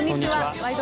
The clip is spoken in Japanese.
「ワイド！